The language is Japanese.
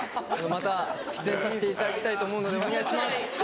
また出演させていただきたいと思うのでお願いします」。